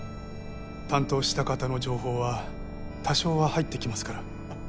担当した方の情報は多少は入ってきますから。